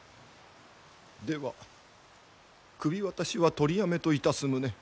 では首渡しは取りやめといたす旨